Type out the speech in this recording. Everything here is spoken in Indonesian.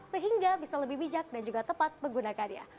sehingga bisa lebih bijak dan juga tepat menggunakannya